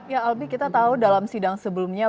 ya albi kita tahu dalam sidang sebelumnya